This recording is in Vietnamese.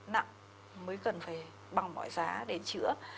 nặng mới cần phải bằng mọi giá để chữa